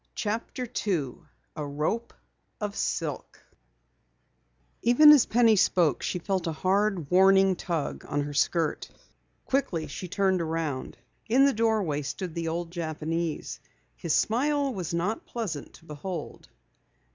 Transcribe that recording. CHAPTER 2 A ROPE OF SILK Even as Penny spoke, she felt a hard, warning tug on her skirt. Quickly she turned around. In the doorway stood the old Japanese. His smile was not pleasant to behold.